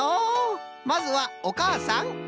まずはおかあさん。